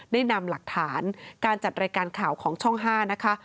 ได้นำหลักฐานการจัดรายการข่าวของช่อง๕นะคะ